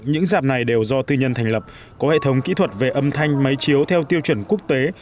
những dạp này đều do tư nhân thành lập có hệ thống kỹ thuật về âm thanh máy chiếu theo tiêu chuẩn quốc tế